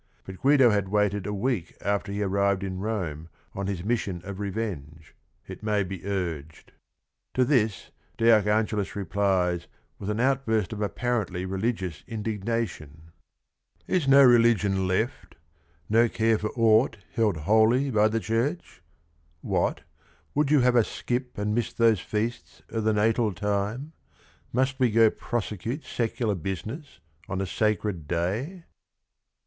But Guido had waited a week after he had ar rived in Rome on his mission of revenge, it may be urged. To this de Archangelis replies with an outburst of apparently religious indignation : "Is no religion left? No care for aught held holy by the Church? What, would you have us skip and miss those Feasts O' the Natal Time, must we go prosecute Secular business on a sacred day?"